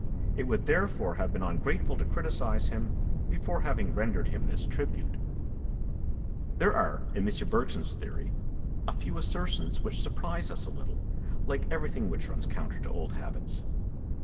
It would therefore have been ungrateful to criticise him before having rendered him this tribute. There are, in M. Bergson's theory, a few assertions which surprise us a little, like everything which runs counter to old habits.